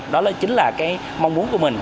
đó chính là cái mong muốn của mình